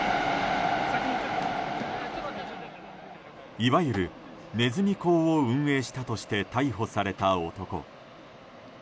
いわゆるネズミ講を運営したとして逮捕された男。